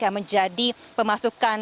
yang menjadi pemasukan